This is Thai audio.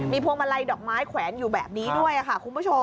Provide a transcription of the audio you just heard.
พวงมาลัยดอกไม้แขวนอยู่แบบนี้ด้วยค่ะคุณผู้ชม